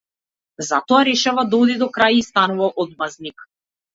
Затоа, решава да оди до крај и станува одмаздник.